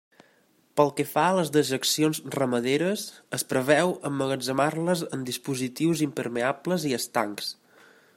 Pel que fa a les dejeccions ramaderes, es preveu emmagatzemar-les en dispositius impermeables i estancs.